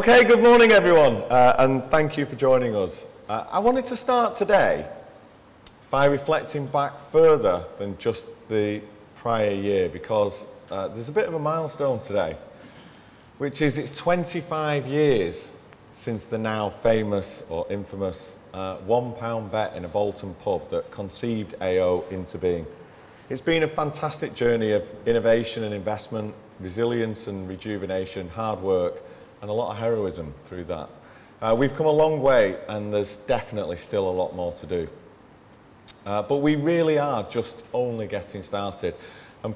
Okay, good morning, everyone, and thank you for joining us. I wanted to start today by reflecting back further than just the prior year, because there's a bit of a milestone today, which is it's 25 years since the now famous, or infamous, 1 pound bet in a Bolton pub that conceived AO into being. It's been a fantastic journey of innovation and investment, resilience and rejuvenation, hard work, and a lot of heroism through that. We've come a long way, and there's definitely still a lot more to do. We really are just only getting started.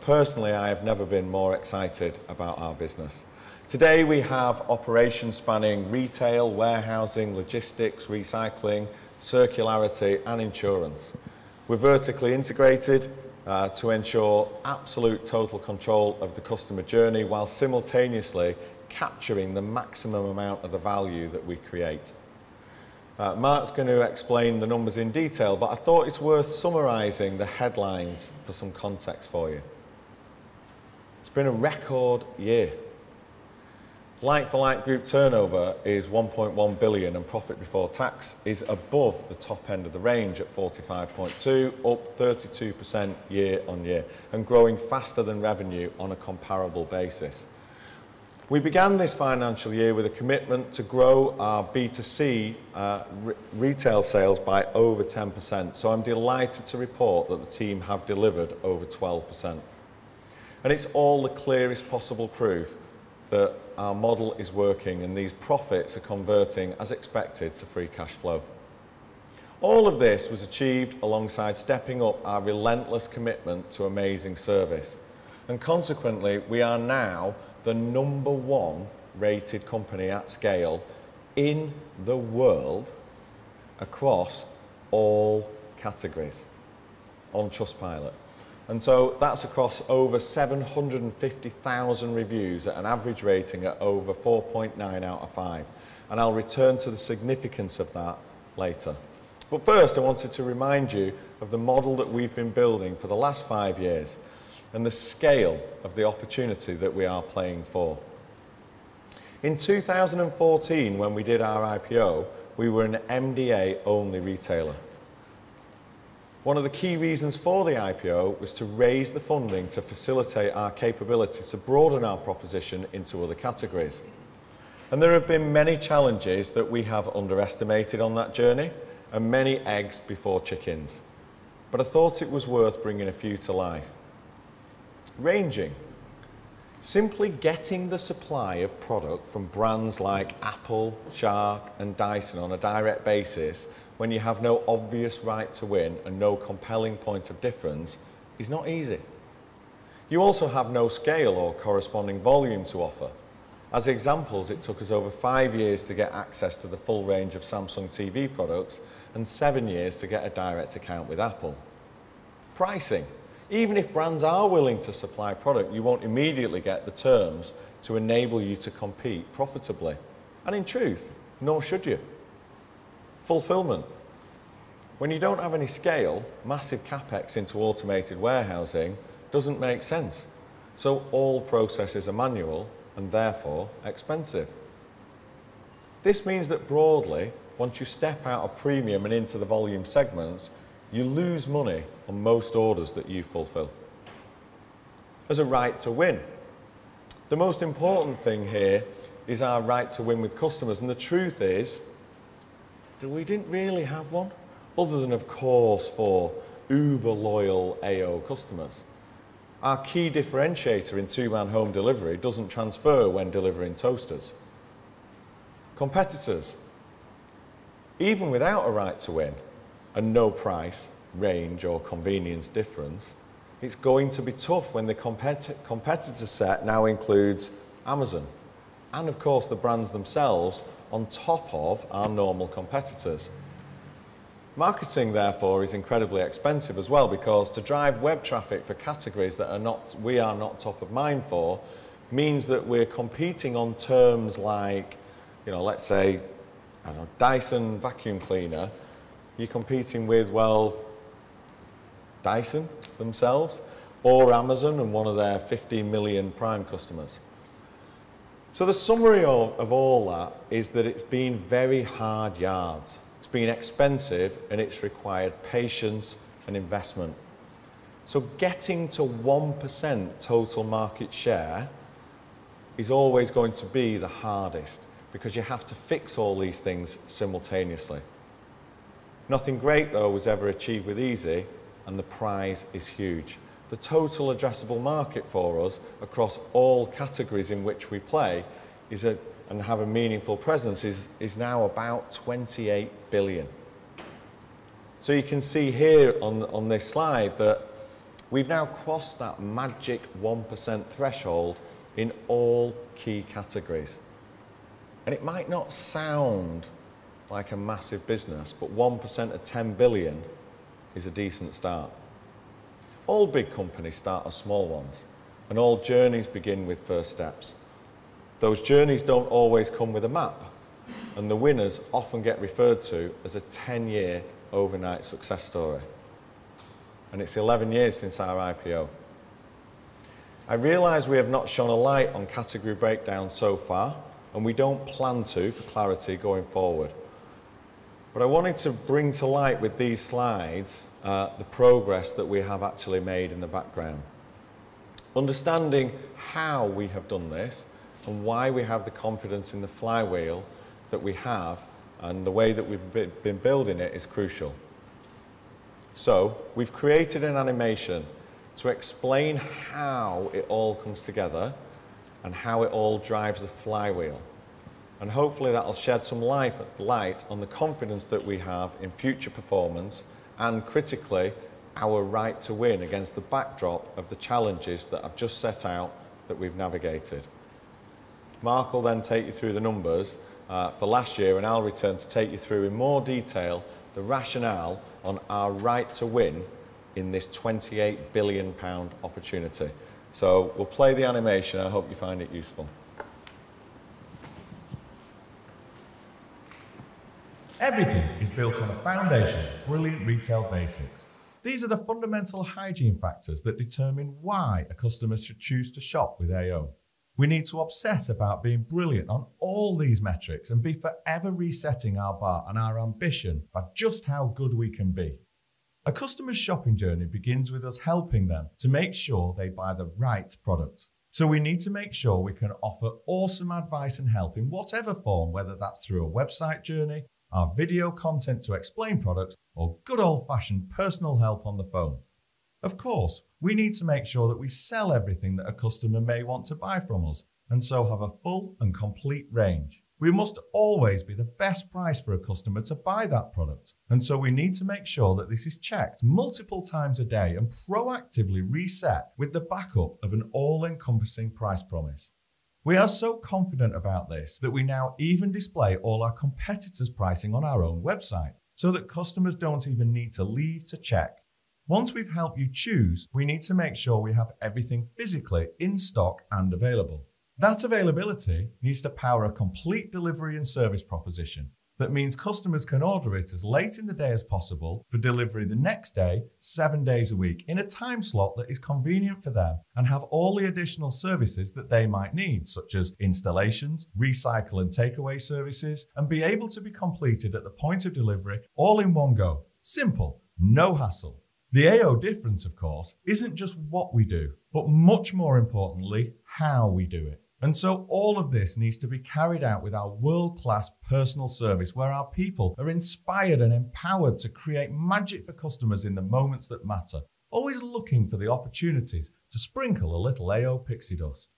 Personally, I have never been more excited about our business. Today, we have operations spanning retail, warehousing, logistics, recycling, circularity, and insurance. We're vertically integrated to ensure absolute total control of the customer journey, while simultaneously capturing the maximum amount of the value that we create. Mark's going to explain the numbers in detail, but I thought it's worth summarizing the headlines for some context for you. It's been a record year. Like-for-like group turnover is 1.1 billion, and profit before tax is above the top end of the range at 45.2 million, up 32% year on year, and growing faster than revenue on a comparable basis. We began this financial year with a commitment to grow our B2C retail sales by over 10%. I'm delighted to report that the team have delivered over 12%. It's all the clearest possible proof that our model is working, and these profits are converting, as expected, to free cash flow. All of this was achieved alongside stepping up our relentless commitment to amazing service. Consequently, we are now the number one rated company at scale in the world across all categories on Trustpilot. That is across over 750,000 reviews at an average rating of over 4.9 out of five. I will return to the significance of that later. First, I wanted to remind you of the model that we have been building for the last five years and the scale of the opportunity that we are playing for. In 2014, when we did our IPO, we were an MDA-only retailer. One of the key reasons for the IPO was to raise the funding to facilitate our capability to broaden our proposition into other categories. There have been many challenges that we have underestimated on that journey and many eggs before chickens. I thought it was worth bringing a few to life. Ranging. Simply getting the supply of product from brands like Apple, Shark, and Dyson on a direct basis, when you have no obvious right to win and no compelling point of difference, is not easy. You also have no scale or corresponding volume to offer. As examples, it took us over five years to get access to the full range of Samsung TV products and seven years to get a direct account with Apple. Pricing. Even if brands are willing to supply product, you won't immediately get the terms to enable you to compete profitably. In truth, nor should you. Fulfillment. When you don't have any scale, massive CapEx into automated warehousing doesn't make sense. All processes are manual and therefore expensive. This means that broadly, once you step out of premium and into the volume segments, you lose money on most orders that you fulfill. There's a right to win. The most important thing here is our right to win with customers. The truth is, we didn't really have one other than, of course, for uber loyal AO customers. Our key differentiator in two-man home delivery doesn't transfer when delivering toasters. Competitors. Even without a right to win and no price, range, or convenience difference, it's going to be tough when the competitor set now includes Amazon and, of course, the brands themselves on top of our normal competitors. Marketing, therefore, is incredibly expensive as well, because to drive web traffic for categories that we are not top of mind for means that we're competing on terms like, let's say, Dyson vacuum cleaner, you're competing with, well, Dyson themselves or Amazon and one of their 15 million Prime customers. The summary of all that is that it's been very hard yards. It's been expensive, and it's required patience and investment. Getting to 1% total market share is always going to be the hardest, because you have to fix all these things simultaneously. Nothing great, though, was ever achieved with easy, and the prize is huge. The total addressable market for us across all categories in which we play and have a meaningful presence is now about 28 billion. You can see here on this slide that we've now crossed that magic 1% threshold in all key categories. It might not sound like a massive business, but 1% of 10 billion is a decent start. All big companies start with small ones, and all journeys begin with first steps. Those journeys do not always come with a map, and the winners often get referred to as a 10-year overnight success story. It is 11 years since our IPO. I realize we have not shone a light on category breakdown so far, and we do not plan to, for clarity, going forward. I wanted to bring to light with these slides the progress that we have actually made in the background. Understanding how we have done this and why we have the confidence in the flywheel that we have and the way that we have been building it is crucial. We have created an animation to explain how it all comes together and how it all drives the flywheel. Hopefully, that will shed some light on the confidence that we have in future performance and, critically, our right to win against the backdrop of the challenges that I have just set out that we have navigated. Mark will then take you through the numbers for last year, and I'll return to take you through, in more detail, the rationale on our right to win in this 28 billion pound opportunity. We will play the animation. I hope you find it useful. Everything is built on a foundation of brilliant retail basics. These are the fundamental hygiene factors that determine why a customer should choose to shop with AO. We need to obsess about being brilliant on all these metrics and be forever resetting our bar and our ambition about just how good we can be. A customer's shopping journey begins with us helping them to make sure they buy the right product. We need to make sure we can offer awesome advice and help in whatever form, whether that's through a website journey, our video content to explain products, or good old-fashioned personal help on the phone. Of course, we need to make sure that we sell everything that a customer may want to buy from us and so have a full and complete range. We must always be the best price for a customer to buy that product. We need to make sure that this is checked multiple times a day and proactively reset with the backup of an all-encompassing price promise. We are so confident about this that we now even display all our competitors' pricing on our own website so that customers do not even need to leave to check. Once we have helped you choose, we need to make sure we have everything physically in stock and available. That availability needs to power a complete delivery and service proposition. That means customers can order it as late in the day as possible for delivery the next day, seven days a week, in a time slot that is convenient for them and have all the additional services that they might need, such as installations, recycle and takeaway services, and be able to be completed at the point of delivery all in one go. Simple, no hassle. The AO difference, of course, is not just what we do, but much more importantly, how we do it. All of this needs to be carried out with our world-class personal service, where our people are inspired and empowered to create magic for customers in the moments that matter, always looking for the opportunities to sprinkle a little AO pixie dust.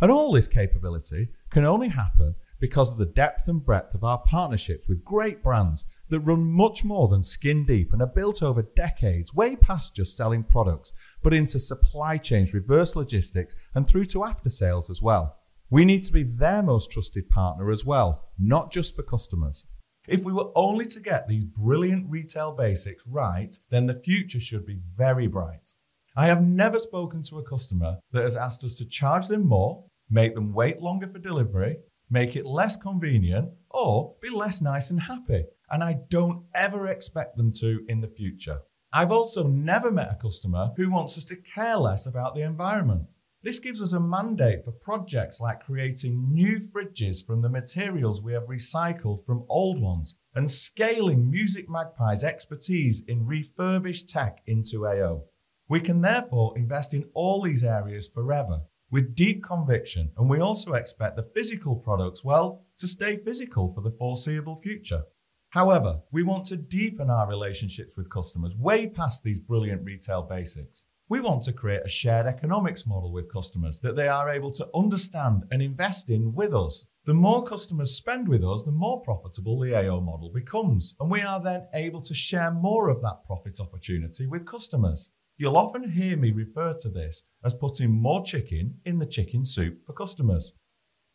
All this capability can only happen because of the depth and breadth of our partnerships with great brands that run much more than skin deep and are built over decades, way past just selling products, but into supply chains, reverse logistics, and through to after-sales as well. We need to be their most trusted partner as well, not just for customers. If we were only to get these brilliant retail basics right, then the future should be very bright. I have never spoken to a customer that has asked us to charge them more, make them wait longer for delivery, make it less convenient, or be less nice and happy. I do not ever expect them to in the future. I have also never met a customer who wants us to care less about the environment. This gives us a mandate for projects like creating new fridges from the materials we have recycled from old ones and scaling musicMagpie's expertise in refurbished tech into AO. We can therefore invest in all these areas forever with deep conviction, and we also expect the physical products, well, to stay physical for the foreseeable future. However, we want to deepen our relationships with customers way past these brilliant retail basics. We want to create a shared economics model with customers that they are able to understand and invest in with us. The more customers spend with us, the more profitable the AO model becomes, and we are then able to share more of that profit opportunity with customers. You'll often hear me refer to this as putting more chicken in the chicken soup for customers.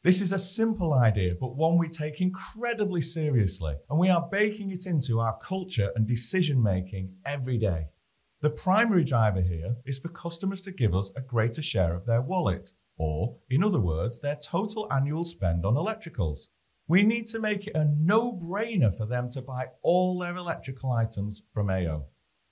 This is a simple idea, but one we take incredibly seriously, and we are baking it into our culture and decision-making every day. The primary driver here is for customers to give us a greater share of their wallet, or in other words, their total annual spend on electricals. We need to make it a no-brainer for them to buy all their electrical items from AO.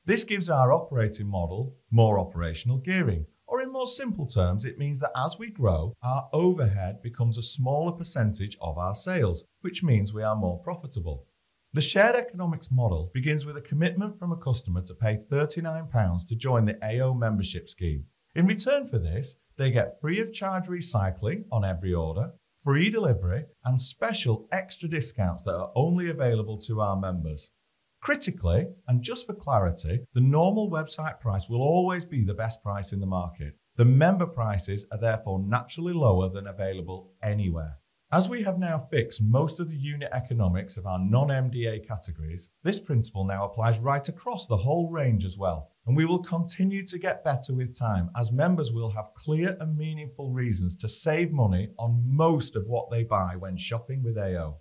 This gives our operating model more operational gearing. Or in more simple terms, it means that as we grow, our overhead becomes a smaller percentage of our sales, which means we are more profitable. The shared economics model begins with a commitment from a customer to pay 39 pounds to join the AO membership scheme. In return for this, they get free of charge recycling on every order, free delivery, and special extra discounts that are only available to our members. Critically, and just for clarity, the normal website price will always be the best price in the market. The member prices are therefore naturally lower than available anywhere. As we have now fixed most of the unit economics of our non-MDA categories, this principle now applies right across the whole range as well. We will continue to get better with time as members will have clear and meaningful reasons to save money on most of what they buy when shopping with AO.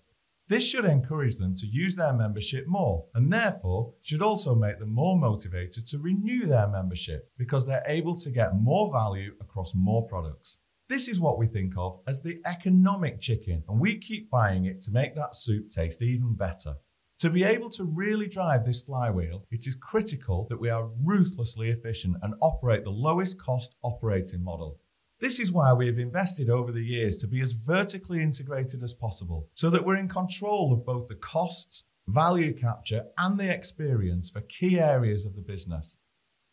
This should encourage them to use their membership more and therefore should also make them more motivated to renew their membership because they're able to get more value across more products. This is what we think of as the economic chicken, and we keep buying it to make that soup taste even better. To be able to really drive this flywheel, it is critical that we are ruthlessly efficient and operate the lowest-cost operating model. This is why we have invested over the years to be as vertically integrated as possible so that we're in control of both the costs, value capture, and the experience for key areas of the business.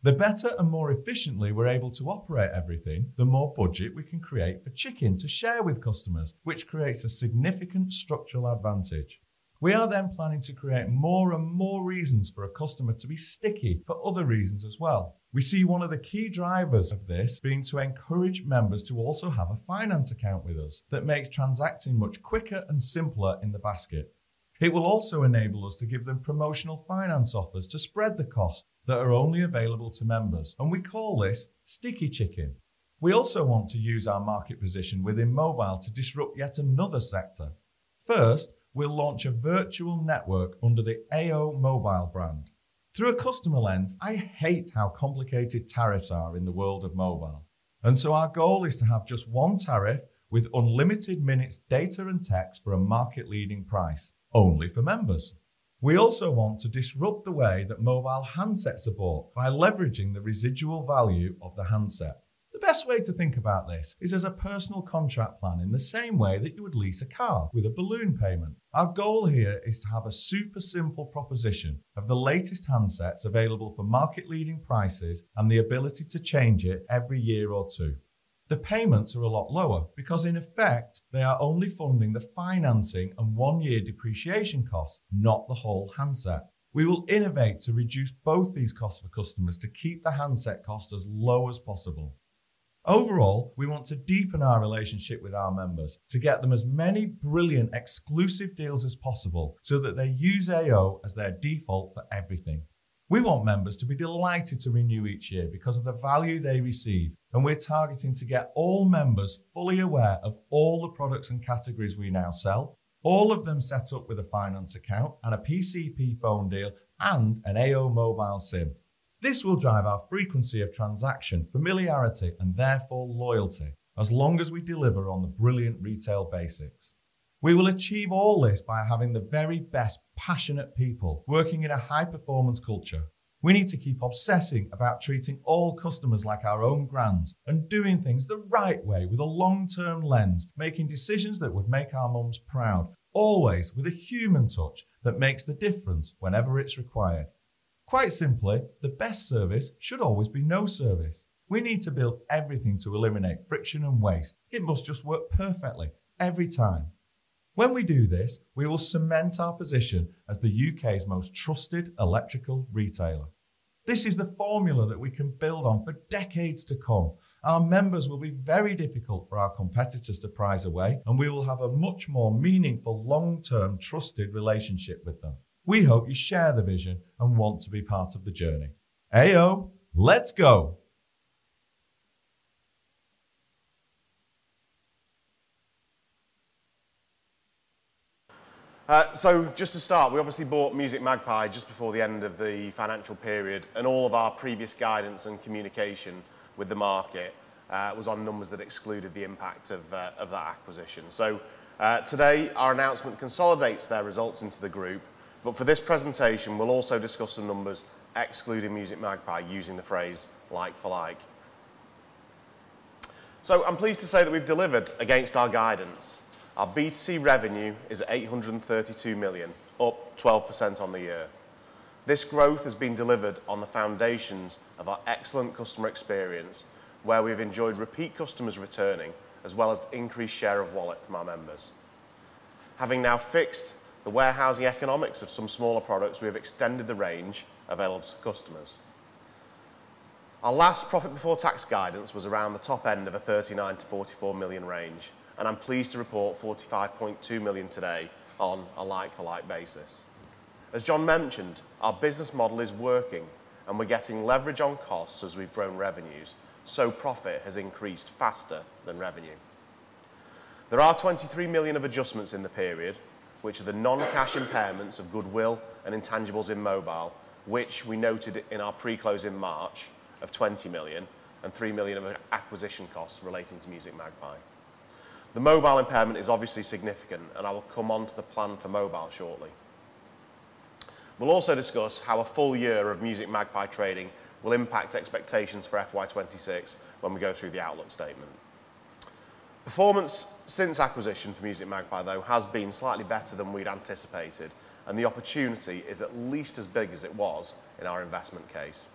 The better and more efficiently we're able to operate everything, the more budget we can create for chicken to share with customers, which creates a significant structural advantage. We are then planning to create more and more reasons for a customer to be sticky for other reasons as well. We see one of the key drivers of this being to encourage members to also have a finance account with us that makes transacting much quicker and simpler in the basket. It will also enable us to give them promotional finance offers to spread the costs that are only available to members, and we call this sticky chicken. We also want to use our market position within mobile to disrupt yet another sector. First, we will launch a virtual network under the AO Mobile brand. Through a customer lens, I hate how complicated tariffs are in the world of mobile. Our goal is to have just one tariff with unlimited minutes, data, and text for a market-leading price only for members. We also want to disrupt the way that mobile handsets are bought by leveraging the residual value of the handset. The best way to think about this is as a personal contract plan in the same way that you would lease a car with a balloon payment. Our goal here is to have a super simple proposition of the latest handsets available for market-leading prices and the ability to change it every year or two. The payments are a lot lower because, in effect, they are only funding the financing and one-year depreciation cost, not the whole handset. We will innovate to reduce both these costs for customers to keep the handset cost as low as possible. Overall, we want to deepen our relationship with our members to get them as many brilliant exclusive deals as possible so that they use AO as their default for everything. We want members to be delighted to renew each year because of the value they receive, and we're targeting to get all members fully aware of all the products and categories we now sell, all of them set up with a finance account and a PCP phone deal and an AO Mobile SIM. This will drive our frequency of transaction, familiarity, and therefore loyalty as long as we deliver on the brilliant retail basics. We will achieve all this by having the very best passionate people working in a high-performance culture. We need to keep obsessing about treating all customers like our own grands and doing things the right way with a long-term lens, making decisions that would make our moms proud, always with a human touch that makes the difference whenever it's required. Quite simply, the best service should always be no service. We need to build everything to eliminate friction and waste. It must just work perfectly every time. When we do this, we will cement our position as the U.K.'s most trusted electrical retailer. This is the formula that we can build on for decades to come. Our members will be very difficult for our competitors to prise away, and we will have a much more meaningful, long-term, trusted relationship with them. We hope you share the vision and want to be part of the journey. AO, let's go. Just to start, we obviously bought musicMagpie just before the end of the financial period, and all of our previous guidance and communication with the market was on numbers that excluded the impact of that acquisition. Today, our announcement consolidates their results into the group, but for this presentation, we'll also discuss some numbers excluding musicMagpie using the phrase "like for like." I'm pleased to say that we've delivered against our guidance. Our VTC revenue is at 832 million, up 12% on the year. This growth has been delivered on the foundations of our excellent customer experience, where we've enjoyed repeat customers returning as well as increased share of wallet from our members. Having now fixed the warehousing economics of some smaller products, we have extended the range available to customers. Our last profit before tax guidance was around the top end of a GBP 39million-44 million range, and I'm pleased to report 45.2 million today on a like for like basis. As John mentioned, our business model is working, and we're getting leverage on costs as we've grown revenues, so profit has increased faster than revenue. There are 23 million of adjustments in the period, which are the non-cash impairments of goodwill and intangibles in mobile, which we noted in our pre-close in March of 20 million and 3 million of acquisition costs relating to musicMagpie. The mobile impairment is obviously significant, and I will come on to the plan for mobile shortly. We'll also discuss how a full year of musicMagpie trading will impact expectations for FY2026 when we go through the outlook statement. Performance since acquisition for musicMagpie, though, has been slightly better than we'd anticipated, and the opportunity is at least as big as it was in our investment case.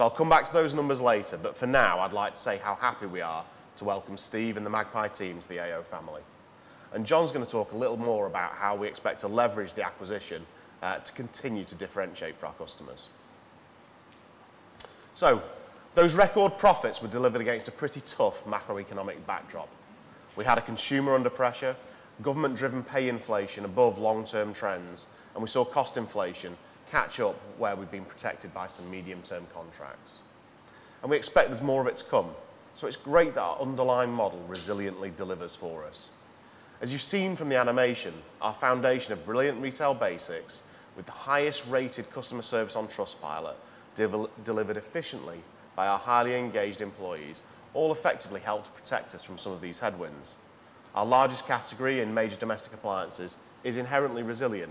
I'll come back to those numbers later, but for now, I'd like to say how happy we are to welcome Steve and the Magpie team to the AO family. John's going to talk a little more about how we expect to leverage the acquisition to continue to differentiate for our customers. Those record profits were delivered against a pretty tough macroeconomic backdrop. We had a consumer under pressure, government-driven pay inflation above long-term trends, and we saw cost inflation catch up where we've been protected by some medium-term contracts. We expect there's more of it to come. It's great that our underlying model resiliently delivers for us. As you've seen from the animation, our foundation of brilliant retail basics with the highest-rated customer service on Trustpilot delivered efficiently by our highly engaged employees all effectively helped to protect us from some of these headwinds. Our largest category in major domestic appliances is inherently resilient.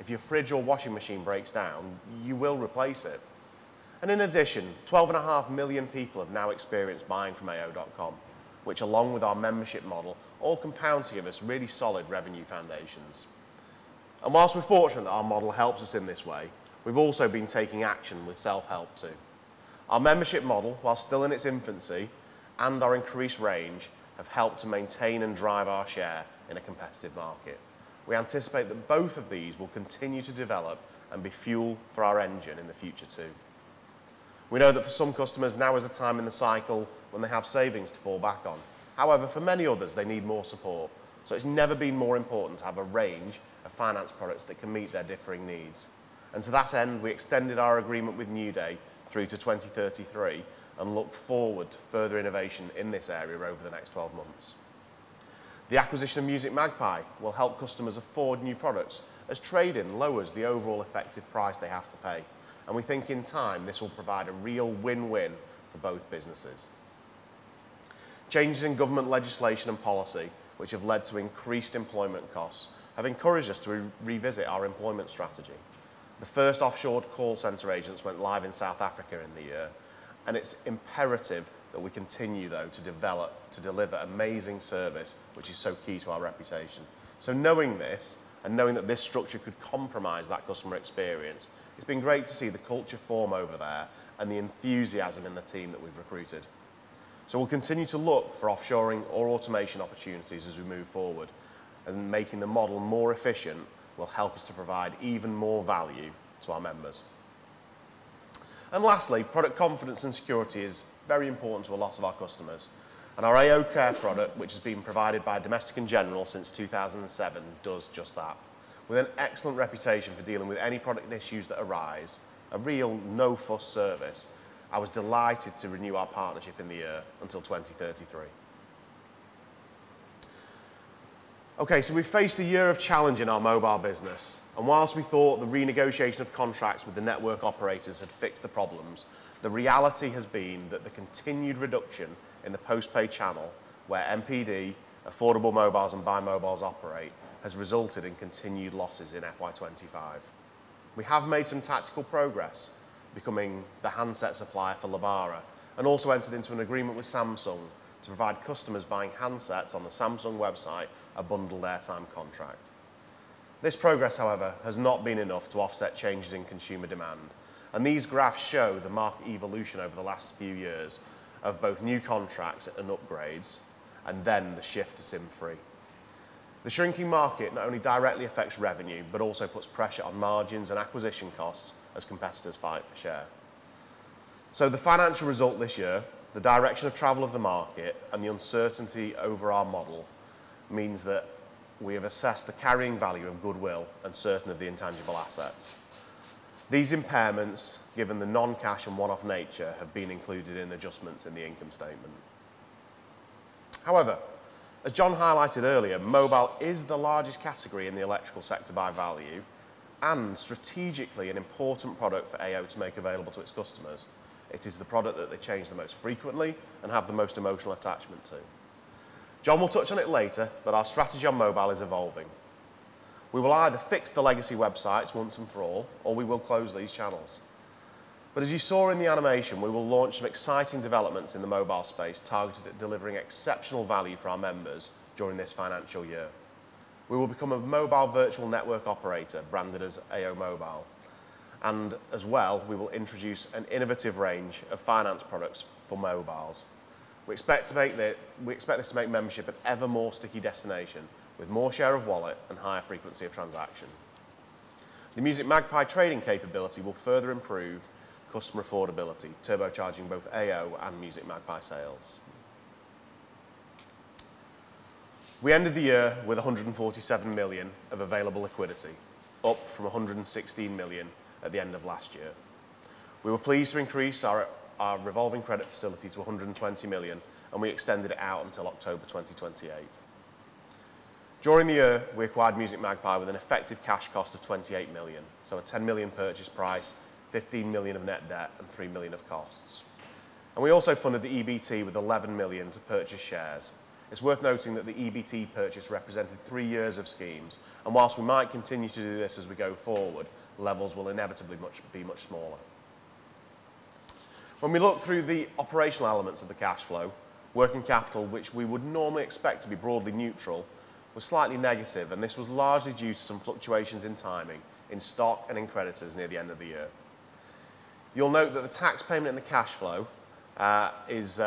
If your fridge or washing machine breaks down, you will replace it. In addition, 12.5 million people have now experienced buying from ao.com, which, along with our membership model, all compound to give us really solid revenue foundations. Whilst we're fortunate that our model helps us in this way, we've also been taking action with self-help too. Our membership model, while still in its infancy, and our increased range have helped to maintain and drive our share in a competitive market. We anticipate that both of these will continue to develop and be fuel for our engine in the future too. We know that for some customers, now is a time in the cycle when they have savings to fall back on. However, for many others, they need more support. It has never been more important to have a range of finance products that can meet their differing needs. To that end, we extended our agreement with NewDay through to 2033 and look forward to further innovation in this area over the next 12 months. The acquisition of musicMagpie will help customers afford new products as trading lowers the overall effective price they have to pay. We think in time, this will provide a real win-win for both businesses. Changes in government legislation and policy, which have led to increased employment costs, have encouraged us to revisit our employment strategy. The first offshore call center agents went live in South Africa in the year, and it is imperative that we continue, though, to develop to deliver amazing service, which is so key to our reputation. Knowing this and knowing that this structure could compromise that customer experience, it's been great to see the culture form over there and the enthusiasm in the team that we've recruited. We'll continue to look for offshoring or automation opportunities as we move forward, and making the model more efficient will help us to provide even more value to our members. Lastly, product confidence and security is very important to a lot of our customers. Our AO Care product, which has been provided by Domestic & General since 2007, does just that. With an excellent reputation for dealing with any product issues that arise, a real no-fuss service, I was delighted to renew our partnership in the year until 2033. Okay, we've faced a year of challenge in our mobile business. Whilst we thought the renegotiation of contracts with the network operators had fixed the problems, the reality has been that the continued reduction in the post-pay channel where MPD, Affordable Mobiles, and Buy Mobiles operate has resulted in continued losses in FY2025. We have made some tactical progress becoming the handset supplier for Lebara and also entered into an agreement with Samsung to provide customers buying handsets on the Samsung website a bundled airtime contract. This progress, however, has not been enough to offset changes in consumer demand, and these graphs show the market evolution over the last few years of both new contracts and upgrades, and then the shift to SIM-free. The shrinking market not only directly affects revenue, but also puts pressure on margins and acquisition costs as competitors fight for share. The financial result this year, the direction of travel of the market, and the uncertainty over our model means that we have assessed the carrying value of goodwill and certain of the intangible assets. These impairments, given the non-cash and one-off nature, have been included in adjustments in the income statement. However, as John highlighted earlier, mobile is the largest category in the electrical sector by value and strategically an important product for AO to make available to its customers. It is the product that they change the most frequently and have the most emotional attachment to. John will touch on it later, but our strategy on mobile is evolving. We will either fix the legacy websites once and for all, or we will close these channels. As you saw in the animation, we will launch some exciting developments in the mobile space targeted at delivering exceptional value for our members during this financial year. We will become a mobile virtual network operator branded as AO Mobile. As well, we will introduce an innovative range of finance products for mobiles. We expect this to make membership an ever more sticky destination with more share of wallet and higher frequency of transaction. The musicMagpie trading capability will further improve customer affordability, turbocharging both AO and musicMagpie sales. We ended the year with 147 million of available liquidity, up from 116 million at the end of last year. We were pleased to increase our revolving credit facility to 120 million, and we extended it out until October 2028. During the year, we acquired musicMagpie with an effective cash cost of 28 million, so a 10 million purchase price, 15 million of net debt, and 3 million of costs. We also funded the EBT with 11 million to purchase shares. It's worth noting that the EBT purchase represented three years of schemes, and whilst we might continue to do this as we go forward, levels will inevitably be much smaller. When we look through the operational elements of the cash flow, working capital, which we would normally expect to be broadly neutral, was slightly negative, and this was largely due to some fluctuations in timing in stock and in creditors near the end of the year. You'll note that the tax payment in the cash flow is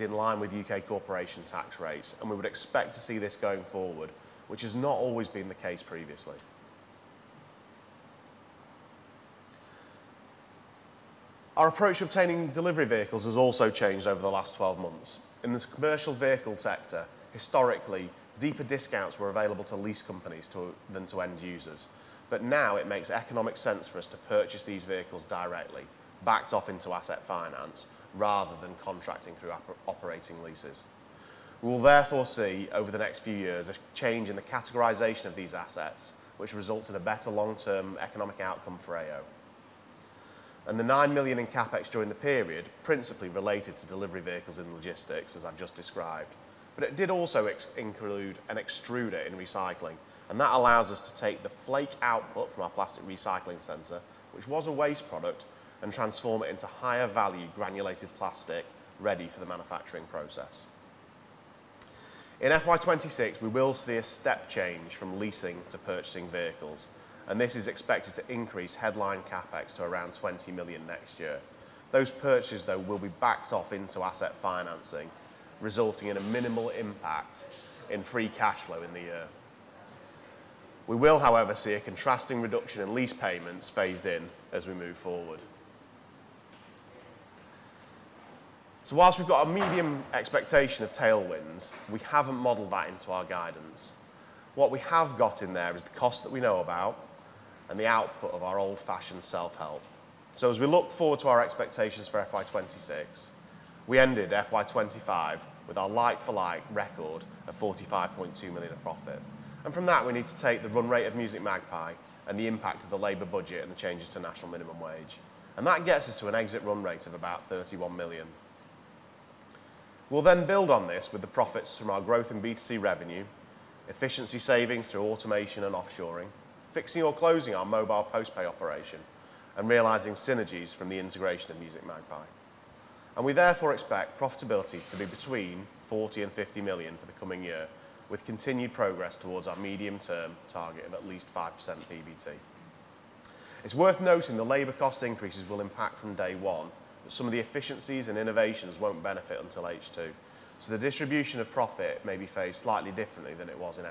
in line with U.K. corporation tax rates, and we would expect to see this going forward, which has not always been the case previously. Our approach to obtaining delivery vehicles has also changed over the last 12 months. In the commercial vehicle sector, historically, deeper discounts were available to lease companies than to end users, but now it makes economic sense for us to purchase these vehicles directly, backed off into asset finance rather than contracting through operating leases. We will therefore see over the next few years a change in the categorization of these assets, which results in a better long-term economic outcome for AO. The 9 million in CapEx during the period principally related to delivery vehicles and logistics, as I've just described, but it did also include an extruder in recycling, and that allows us to take the flake output from our plastic recycling center, which was a waste product, and transform it into higher value granulated plastic ready for the manufacturing process. In FY2026, we will see a step change from leasing to purchasing vehicles, and this is expected to increase headline CapEx to around 20 million next year. Those purchases, though, will be backed off into asset financing, resulting in a minimal impact in free cash flow in the year. We will, however, see a contrasting reduction in lease payments phased in as we move forward. Whilst we've got a medium expectation of tailwinds, we haven't modeled that into our guidance. What we have got in there is the cost that we know about and the output of our old-fashioned self-help. As we look forward to our expectations for FY2026, we ended FY2025 with our like-for-like record of 45.2 million of profit. From that, we need to take the run rate of musicMagpie and the impact of the labor budget and the changes to national minimum wage. That gets us to an exit run rate of about 31 million. We'll then build on this with the profits from our growth in VTC revenue, efficiency savings through automation and offshoring, fixing or closing our mobile post-pay operation, and realizing synergies from the integration of musicMagpie. We therefore expect profitability to be between GBP 40million-50 million for the coming year, with continued progress towards our medium-term target of at least 5% PBT. It's worth noting the labor cost increases will impact from day one, but some of the efficiencies and innovations won't benefit until H2. The distribution of profit may be phased slightly differently than it was in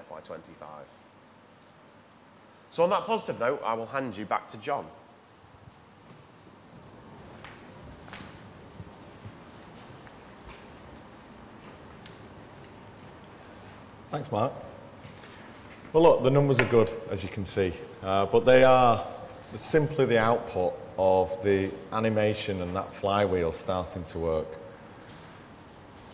FY2025. On that positive note, I will hand you back to John. Thanks, Mark. The numbers are good, as you can see, but they are simply the output of the animation and that flywheel starting to work.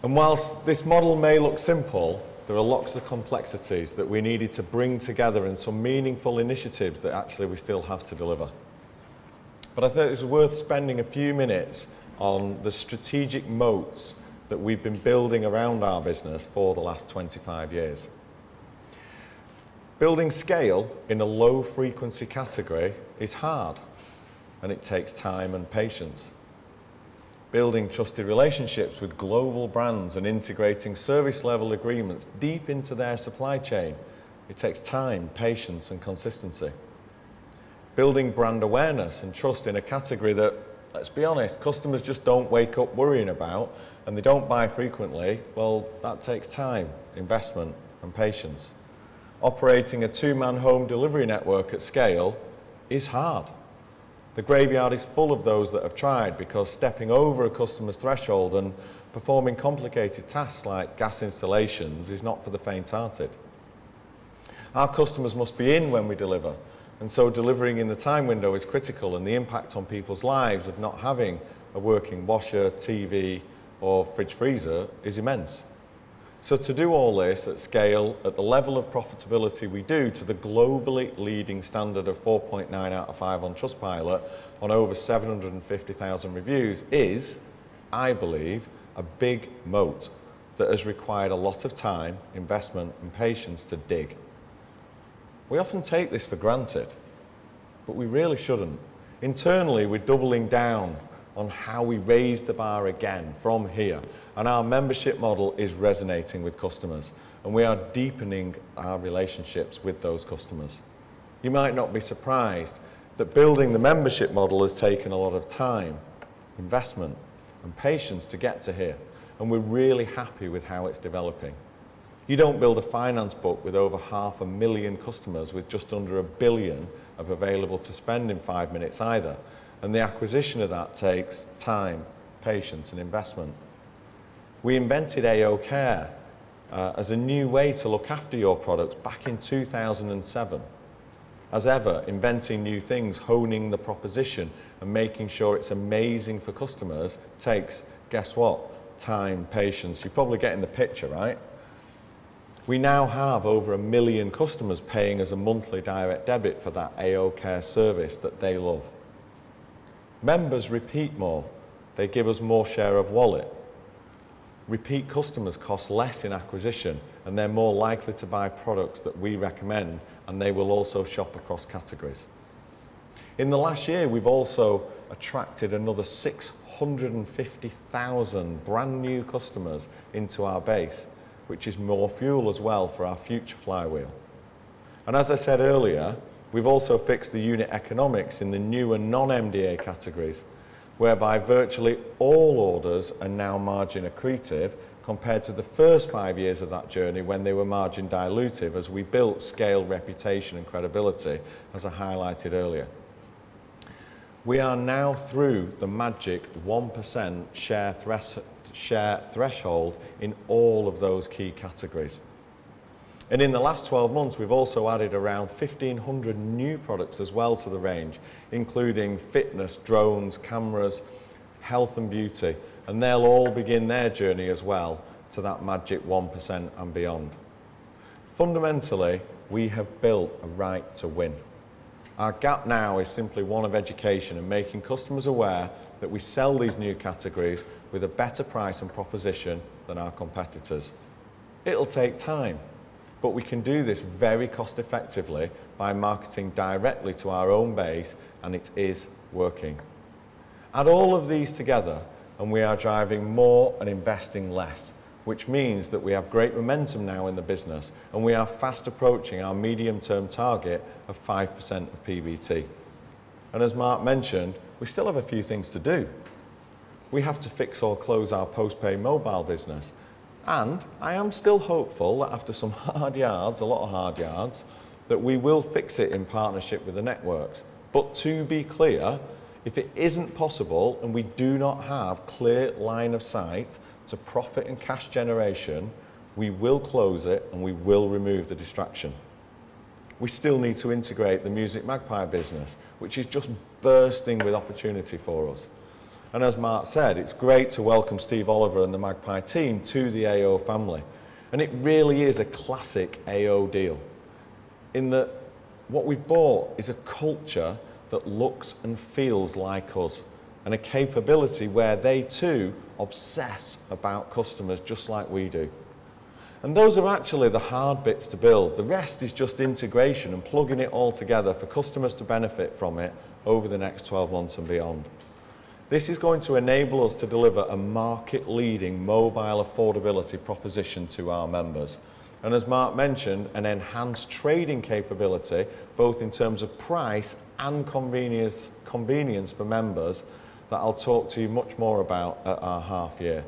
Whilst this model may look simple, there are lots of complexities that we needed to bring together and some meaningful initiatives that actually we still have to deliver. I think it's worth spending a few minutes on the strategic moats that we've been building around our business for the last 25 years. Building scale in a low-frequency category is hard, and it takes time and patience. Building trusted relationships with global brands and integrating service-level agreements deep into their supply chain, it takes time, patience, and consistency. Building brand awareness and trust in a category that, let's be honest, customers just don't wake up worrying about and they don't buy frequently, that takes time, investment, and patience. Operating a two-man home delivery network at scale is hard. The graveyard is full of those that have tried because stepping over a customer's threshold and performing complicated tasks like gas installations is not for the faint-hearted. Our customers must be in when we deliver, and so delivering in the time window is critical, and the impact on people's lives of not having a working washer, TV, or fridge freezer is immense. To do all this at scale at the level of profitability we do to the globally leading standard of 4.9 out of five on Trustpilot on over 750,000 reviews is, I believe, a big moat that has required a lot of time, investment, and patience to dig. We often take this for granted, but we really shouldn't. Internally, we're doubling down on how we raise the bar again from here, and our membership model is resonating with customers, and we are deepening our relationships with those customers. You might not be surprised that building the membership model has taken a lot of time, investment, and patience to get to here, and we're really happy with how it's developing. You don't build a finance book with over 500,000 customers with just under 1 billion of available to spend in five minutes either, and the acquisition of that takes time, patience, and investment. We invented AO Care as a new way to look after your products back in 2007. As ever, inventing new things, honing the proposition, and making sure it's amazing for customers takes, guess what, time, patience. You're probably getting the picture, right? We now have over 1 million customers paying us a monthly direct debit for that AO Care service that they love. Members repeat more. They give us more share of wallet. Repeat customers cost less in acquisition, and they're more likely to buy products that we recommend, and they will also shop across categories. In the last year, we've also attracted another 650,000 brand new customers into our base, which is more fuel as well for our future flywheel. As I said earlier, we've also fixed the unit economics in the newer non-MDA categories, whereby virtually all orders are now margin accretive compared to the first five years of that journey when they were margin dilutive as we built scale, reputation, and credibility, as I highlighted earlier. We are now through the magic 1% share threshold in all of those key categories. In the last 12 months, we've also added around 1,500 new products as well to the range, including fitness, drones, cameras, health, and beauty, and they'll all begin their journey as well to that magic 1% and beyond. Fundamentally, we have built a right to win. Our gap now is simply one of education and making customers aware that we sell these new categories with a better price and proposition than our competitors. It'll take time, but we can do this very cost-effectively by marketing directly to our own base, and it is working. Add all of these together, and we are driving more and investing less, which means that we have great momentum now in the business, and we are fast approaching our medium-term target of 5% of PBT. As Mark mentioned, we still have a few things to do. We have to fix or close our post-pay mobile business, and I am still hopeful that after some hard yards, a lot of hard yards, that we will fix it in partnership with the networks. To be clear, if it isn't possible and we do not have a clear line of sight to profit and cash generation, we will close it, and we will remove the distraction. We still need to integrate the musicMagpie business, which is just bursting with opportunity for us. As Mark said, it's great to welcome Steve Oliver and the Magpie team to the AO family, and it really is a classic AO deal. In that what we've bought is a culture that looks and feels like us and a capability where they too obsess about customers just like we do. Those are actually the hard bits to build. The rest is just integration and plugging it all together for customers to benefit from it over the next 12 months and beyond. This is going to enable us to deliver a market-leading mobile affordability proposition to our members. As Mark mentioned, an enhanced trading capability, both in terms of price and convenience for members that I'll talk to you much more about at our half year.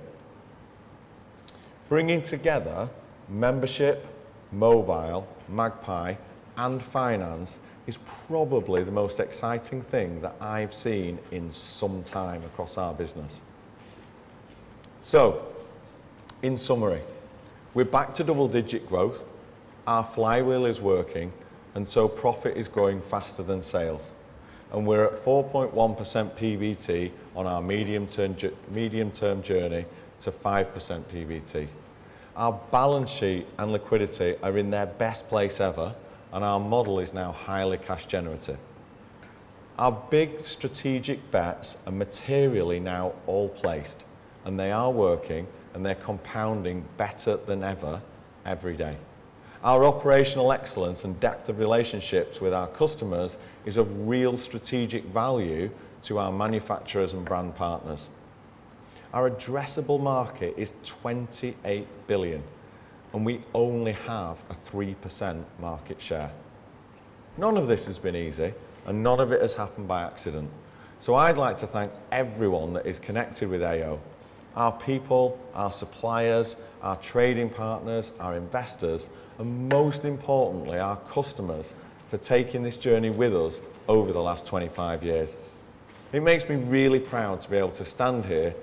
Bringing together membership, mobile, Magpie, and finance is probably the most exciting thing that I've seen in some time across our business. In summary, we're back to double-digit growth, our flywheel is working, profit is growing faster than sales, and we're at 4.1% PBT on our medium-term journey to 5% PBT. Our balance sheet and liquidity are in their best place ever, and our model is now highly cash-generative. Our big strategic bets are materially now all placed, and they are working, and they're compounding better than ever every day. Our operational excellence and depth of relationships with our customers is of real strategic value to our manufacturers and brand partners. Our addressable market is 28 billion, and we only have a 3% market share. None of this has been easy, and none of it has happened by accident. I would like to thank everyone that is connected with AO: our people, our suppliers, our trading partners, our investors, and most importantly, our customers for taking this journey with us over the last 25 years. It makes me really proud to be able to stand here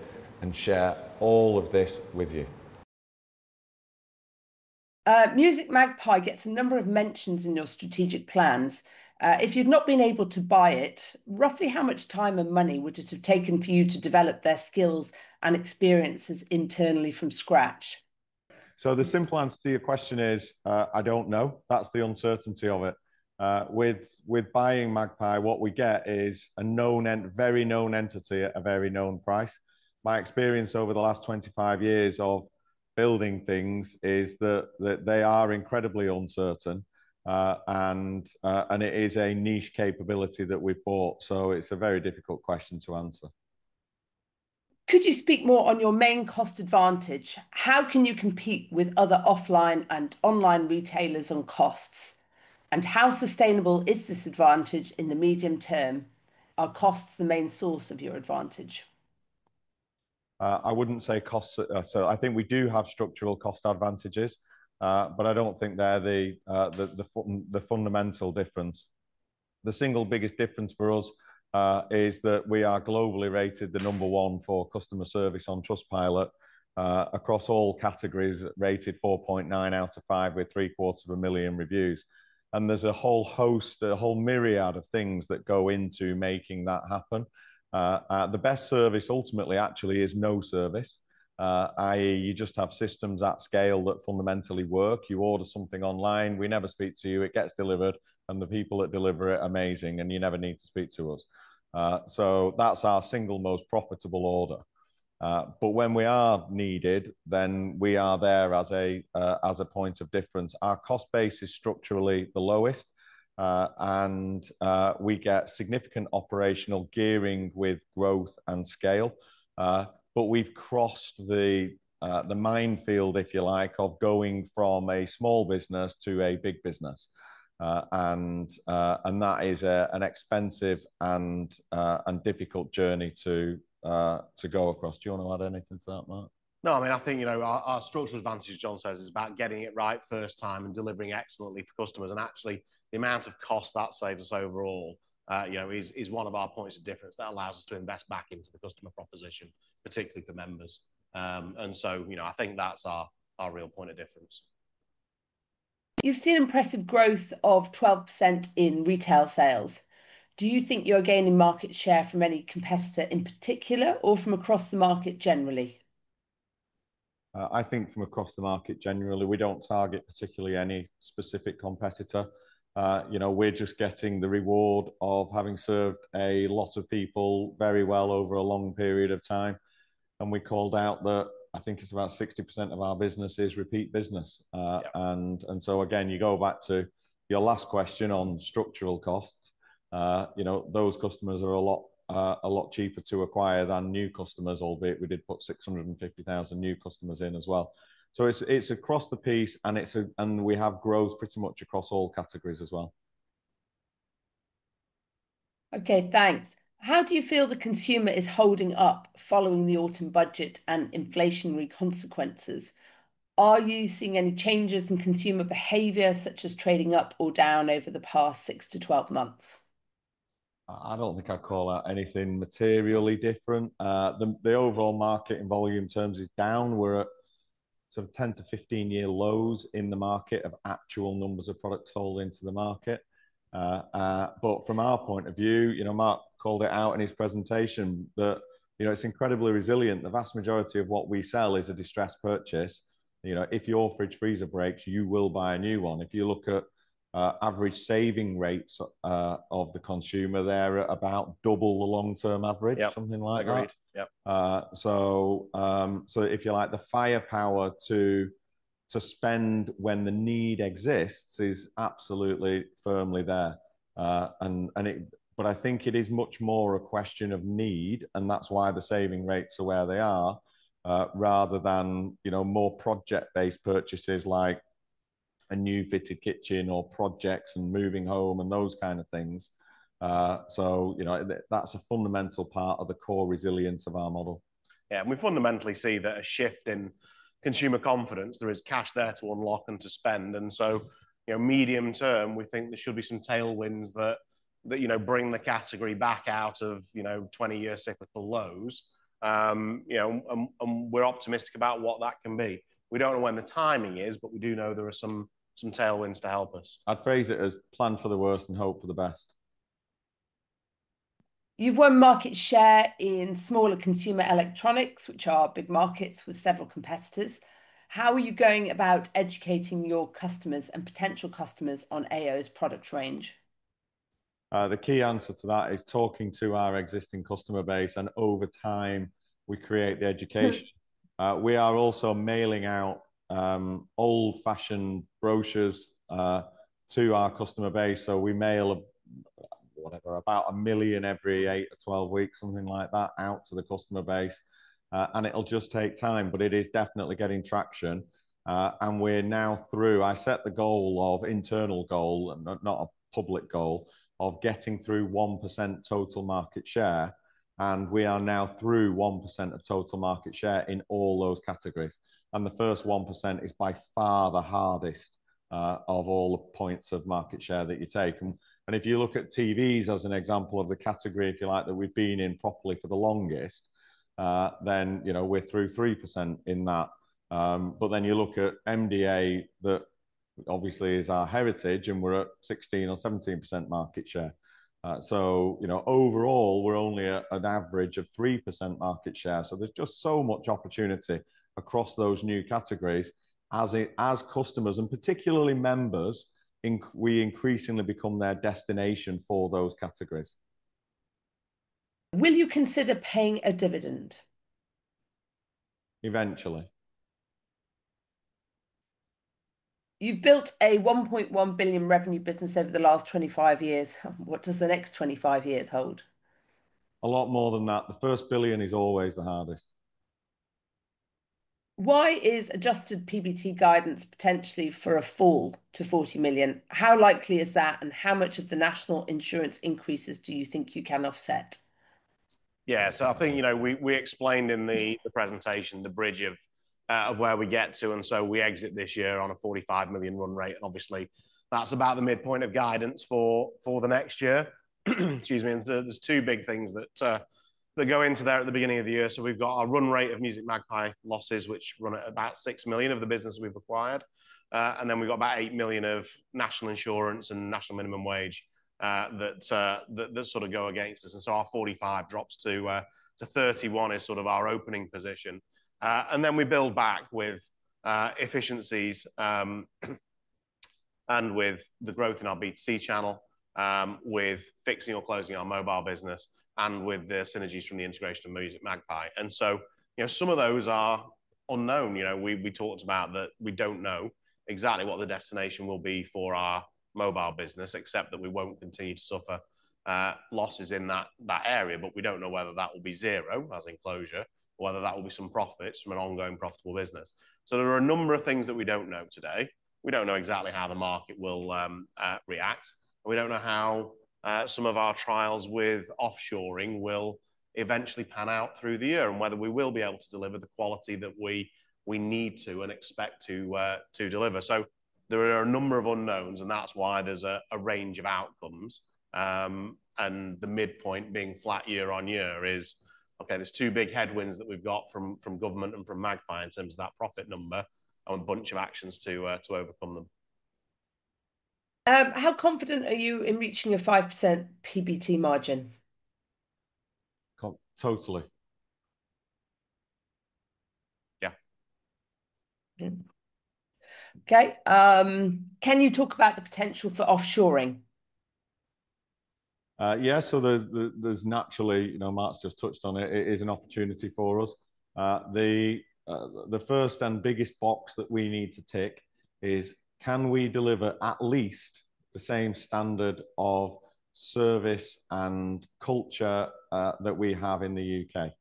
and share all of this with you. musicMagpie gets a number of mentions in your strategic plans. If you had not been able to buy it, roughly how much time and money would it have taken for you to develop their skills and experiences internally from scratch? The simple answer to your question is, I don't know. That's the uncertainty of it. With buying musicMagpie, what we get is a very known entity at a very known price. My experience over the last 25 years of building things is that they are incredibly uncertain, and it is a niche capability that we've bought, so it's a very difficult question to answer. Could you speak more on your main cost advantage? How can you compete with other offline and online retailers on costs, and how sustainable is this advantage in the medium term? Are costs the main source of your advantage? I wouldn't say costs are—so I think we do have structural cost advantages, but I don't think they're the fundamental difference. The single biggest difference for us is that we are globally rated the number one for customer service on Trustpilot across all categories, rated 4.9 out of five with three-quarters of a million reviews. There is a whole host, a whole myriad of things that go into making that happen. The best service ultimately actually is no service, i.e., you just have systems at scale that fundamentally work. You order something online, we never speak to you, it gets delivered, and the people that deliver it are amazing, and you never need to speak to us. That is our single most profitable order. When we are needed, then we are there as a point of difference. Our cost base is structurally the lowest, and we get significant operational gearing with growth and scale, but we have crossed the minefield, if you like, of going from a small business to a big business, and that is an expensive and difficult journey to go across. Do you want to add anything to that, Mark? No, I mean, I think our structural advantage, John says, is about getting it right first time and delivering excellently for customers. Actually, the amount of cost that saves us overall is one of our points of difference that allows us to invest back into the customer proposition, particularly for members. I think that is our real point of difference. You have seen impressive growth of 12% in retail sales. Do you think you are gaining market share from any competitor in particular or from across the market generally? I think from across the market generally. We do not target particularly any specific competitor. We are just getting the reward of having served a lot of people very well over a long period of time, and we called out that I think it is about 60% of our business is repeat business. Again, you go back to your last question on structural costs. Those customers are a lot cheaper to acquire than new customers, albeit we did put 650,000 new customers in as well. It is across the piece, and we have growth pretty much across all categories as well. Okay, thanks. How do you feel the consumer is holding up following the autumn budget and inflationary consequences? Are you seeing any changes in consumer behavior such as trading up or down over the past 6 months-12 months? I do not think I would call out anything materially different. The overall market in volume terms is down. We're at sort of 10 years-15 year lows in the market of actual numbers of products sold into the market. From our point of view, Mark called it out in his presentation that it's incredibly resilient. The vast majority of what we sell is a distressed purchase. If your fridge freezer breaks, you will buy a new one. If you look at average saving rates of the consumer, they're about double the long-term average, something like that. If you like, the firepower to spend when the need exists is absolutely firmly there. I think it is much more a question of need, and that's why the saving rates are where they are, rather than more project-based purchases like a new fitted kitchen or projects and moving home and those kind of things. That's a fundamental part of the core resilience of our model. Yeah, and we fundamentally see that a shift in consumer confidence. There is cash there to unlock and to spend, and so medium term, we think there should be some tailwinds that bring the category back out of 20-year cyclical lows, and we're optimistic about what that can be. We don't know when the timing is, but we do know there are some tailwinds to help us. I'd phrase it as plan for the worst and hope for the best. You've won market share in smaller consumer electronics, which are big markets with several competitors. How are you going about educating your customers and potential customers on AO's product range? The key answer to that is talking to our existing customer base, and over time, we create the education. We are also mailing out old-fashioned brochures to our customer base, so we mail about a million every 8 weeks-12 weeks, something like that, out to the customer base, and it will just take time, but it is definitely getting traction. We are now through—I set the goal of internal goal and not a public goal—of getting through 1% total market share, and we are now through 1% of total market share in all those categories. The first 1% is by far the hardest of all the points of market share that you take. If you look at TVs as an example of the category, if you like, that we have been in properly for the longest, then we are through 3% in that. If you look at MDA, that obviously is our heritage, and we are at 16%-17% market share. Overall, we're only at an average of 3% market share. There's just so much opportunity across those new categories as customers, and particularly members, we increasingly become their destination for those categories. Will you consider paying a dividend? Eventually. You've built a 1.1 billion revenue business over the last 25 years. What does the next 25 years hold? A lot more than that. The first billion is always the hardest. Why is adjusted PBT guidance potentially for a fall to 40 million? How likely is that, and how much of the national insurance increases do you think you can offset? I think we explained in the presentation the bridge of where we get to, and we exit this year on a 45 million run rate, and obviously, that's about the midpoint of guidance for the next year. Excuse me, there are two big things that go into there at the beginning of the year. We have our run rate of musicMagpie losses, which run at about 6 million of the business we have acquired, and then we have about 8 million of national insurance and national minimum wage that sort of go against us, and so our 45 million drops to 31 million as our opening position. We build back with efficiencies and with the growth in our B2C channel, with fixing or closing our mobile business, and with the synergies from the integration of musicMagpie. Some of those are unknown. We talked about that we don't know exactly what the destination will be for our mobile business, except that we won't continue to suffer losses in that area, but we don't know whether that will be zero as enclosure, whether that will be some profits from an ongoing profitable business. There are a number of things that we don't know today. We don't know exactly how the market will react, and we don't know how some of our trials with offshoring will eventually pan out through the year and whether we will be able to deliver the quality that we need to and expect to deliver. There are a number of unknowns, and that is why there is a range of outcomes, and the midpoint being flat year on year is, okay, there are two big headwinds that we have got from government and from Magpie in terms of that profit number and a bunch of actions to overcome them. How confident are you in reaching a 5% PBT margin? Totally. Yeah. Okay. Can you talk about the potential for offshoring? Yeah, so there is naturally, Mark has just touched on it, it is an opportunity for us. The first and biggest box that we need to tick is, can we deliver at least the same standard of service and culture that we have in the U.K.?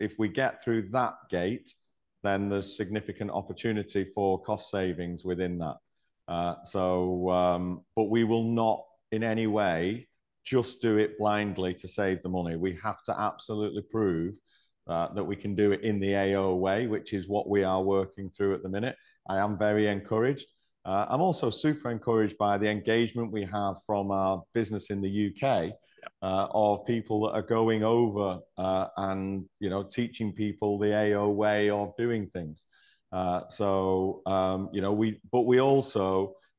If we get through that gate, then there is significant opportunity for cost savings within that. We will not in any way just do it blindly to save the money. We have to absolutely prove that we can do it in the AO way, which is what we are working through at the minute. I am very encouraged. I'm also super encouraged by the engagement we have from our business in the U.K. of people that are going over and teaching people the AO way of doing things. We also,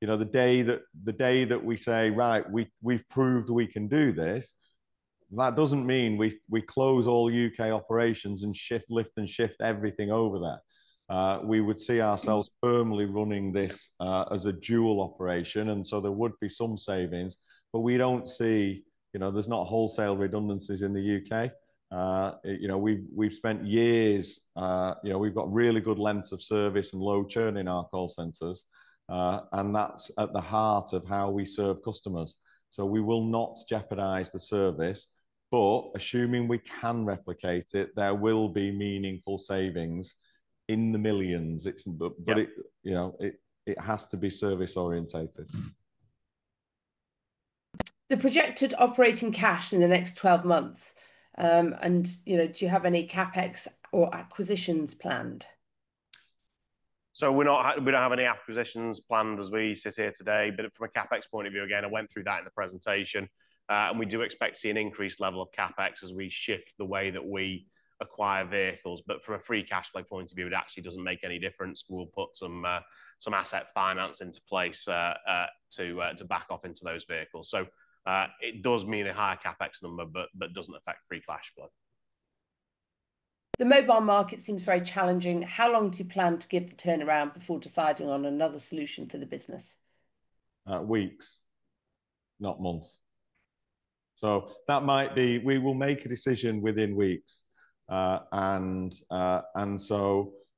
the day that we say, "Right, we've proved we can do this," that does not mean we close all U.K. operations and lift and shift everything over there. We would see ourselves firmly running this as a dual operation, and so there would be some savings, but we do not see—there are not wholesale redundancies in the U.K. We've spent years, we've got really good lengths of service and low churn in our call centers, and that's at the heart of how we serve customers. We will not jeopardize the service, but assuming we can replicate it, there will be meaningful savings in the millions. It has to be service-orientated. The projected operating cash in the next 12 months, and do you have any CapEx or acquisitions planned? We do not have any acquisitions planned as we sit here today, but from a CapEx point of view, again, I went through that in the presentation, and we do expect to see an increased level of CapEx as we shift the way that we acquire vehicles. From a free cash flow point of view, it actually does not make any difference. We will put some asset finance into place to back off into those vehicles. It does mean a higher CapEx number, but does not affect free cash flow. The mobile market seems very challenging. How long do you plan to give the turnaround before deciding on another solution for the business? Weeks, not months. That might be—we will make a decision within weeks, and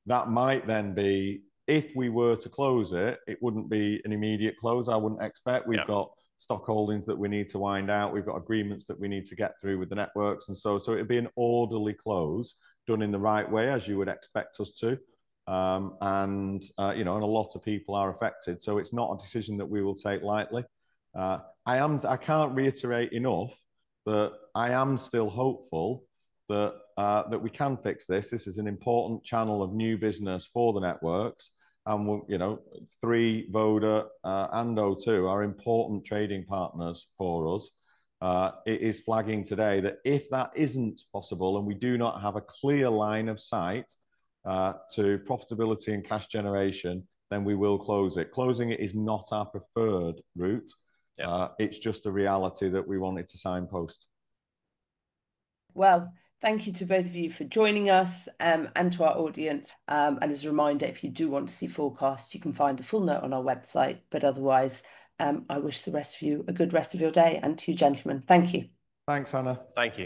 that might then be, if we were to close it, it would not be an immediate close. I would not expect. We have got stock holdings that we need to wind out. We have got agreements that we need to get through with the networks, and it would be an orderly close done in the right way, as you would expect us to, and a lot of people are affected. It is not a decision that we will take lightly. I cannot reiterate enough that I am still hopeful that we can fix this. This is an important channel of new business for the networks, and VODA and O2 are important trading partners for us. It is flagging today that if that is not possible and we do not have a clear line of sight to profitability and cash generation, then we will close it. Closing it is not our preferred route. It is just a reality that we want it to signpost. Thank you to both of you for joining us and to our audience. As a reminder, if you do want to see forecasts, you can find the full note on our website, but otherwise, I wish the rest of you a good rest of your day. To you, gentlemen, thank you. Thanks, Hannah. Thank you.